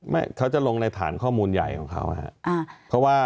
ไม่เขาจะลงในฐานข้อมูลใหญ่ของเขาฮะ